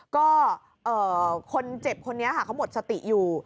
ก็คนเจ็บคนนี้ค่ะเขาหมดสติอยู่